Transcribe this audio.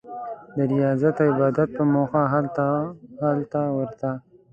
د ریاضت او عبادت په موخه هلته ورته.